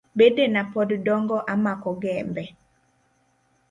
Bedena pod dongo amako gembe.